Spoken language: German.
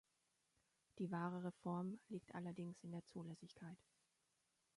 Die wahre Reform liegt allerdings in der Zulässigkeit.